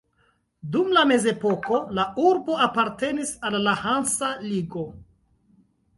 Dum la mezepoko, la urbo apartenis al la Hansa Ligo.